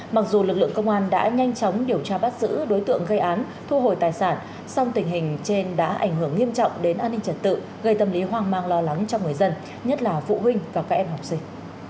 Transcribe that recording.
mặc dù lực lượng công an đã nhanh chóng điều tra bắt giữ đối tượng gây án thu hồi tài sản song tình hình trên đã ảnh hưởng nghiêm trọng đến an ninh trật tự gây tâm lý hoang mang lo lắng cho người dân nhất là phụ huynh và các em học sinh